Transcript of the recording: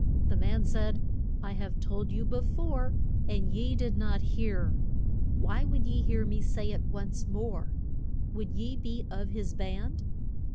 The man said, I have told you be fore, and ye did not hear. Why would ye hear me say it once more? Would ye be of his band?